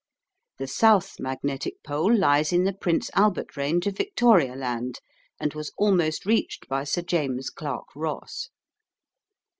The south magnetic pole lies in the Prince Albert range of Victona Land, and was almost reached by Sir James Clark Ross.